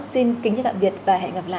xin kính chào tạm biệt và hẹn gặp lại